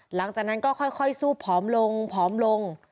หลังจากนั้นก็ค่อยซูบผอมลงผอมลง